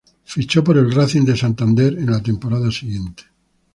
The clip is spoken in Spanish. Fichó por el Racing de Santander en la temporada siguiente.